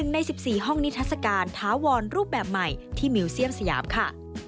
ใน๑๔ห้องนิทัศกาลถาวรรูปแบบใหม่ที่มิวเซียมสยามค่ะ